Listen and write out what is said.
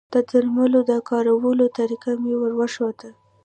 د درملو د کارولو طریقه مې وروښوده